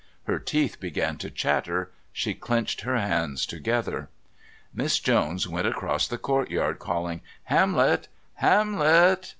Her teeth began to chatter; she clenched her hands together. Miss Jones went across the courtyard, calling: "Hamlet! Hamlet!"